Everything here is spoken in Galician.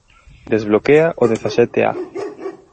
Desbloquea o dezasete-A